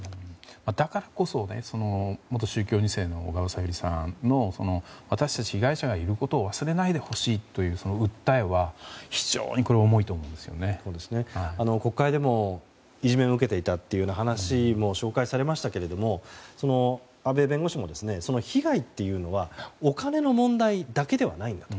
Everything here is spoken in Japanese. だからこそ元宗教２世の小川さゆりさんの私たち被害者がいることを忘れないでほしいという訴えは国会でもいじめを受けていたという話も紹介されましたが阿部弁護士もその被害というのはお金の問題だけではないんだと。